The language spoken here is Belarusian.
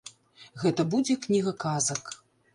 Гэта будзе кніга казак.